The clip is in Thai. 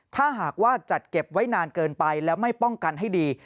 ถ้าหากว่าจัดเก็บไว้นานเกินไปแล้วไม่ป้องกันให้ดี